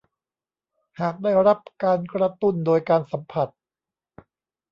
หากได้รับการกระตุ้นโดยการสัมผัส